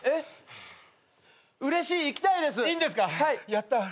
やった！